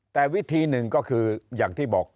แต่วิธีหนึ่งก็คืออย่างที่บอก